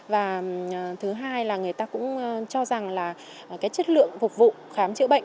và thứ hai là người ta cũng cho rằng là cái chất lượng phục vụ khám chữa bệnh